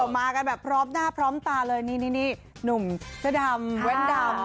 มากันแบบพร้อมหน้าพร้อมตาเลยนี่หนุ่มเสื้อดำแว้นดำ